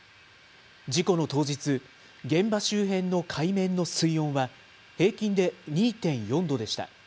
事故の当日、現場周辺の海面の水温は平均で２．４度でした。